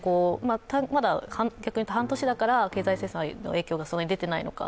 まだ逆に言うと半年だから経済制裁の影響がそんなに出ていないのか。